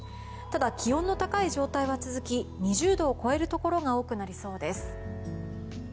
ただ、気温の高い状態は続き２０度を超えるところが多くなりそうです。